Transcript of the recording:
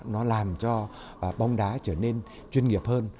nó làm cho bóng đá trở nên chuyên nghiệp hơn